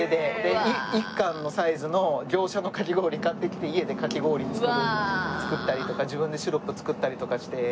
一貫のサイズの業者のかき氷買ってきて家でかき氷作る作ったりとか自分でシロップ作ったりとかして。